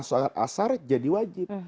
solat asar jadi wajib